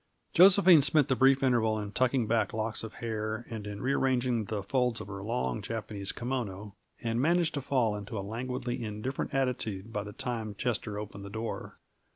Josephine spent the brief interval in tucking back locks of hair and in rearranging the folds of her long, Japanese kimono, and managed to fall into a languidly indifferent attitude by the time Chester opened the door.